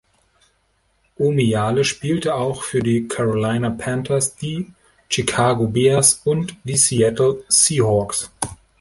Omiyale spielte auch für die Carolina Panthers, die Chicago Bears und die Seattle Seahawks.